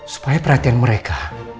supaya perhatian mereka